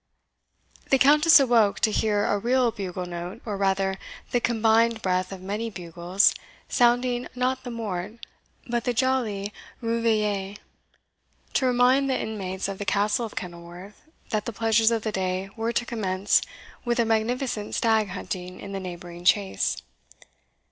The Countess awoke to hear a real bugle note, or rather the combined breath of many bugles, sounding not the MORT. but the jolly REVEILLE, to remind the inmates of the Castle of Kenilworth that the pleasures of the day were to commence with a magnificent stag hunting in the neighbouring Chase.